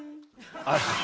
あっ。